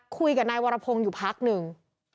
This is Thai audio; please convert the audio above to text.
คุยกับนายวรพงศ์อยู่พักหนึ่ง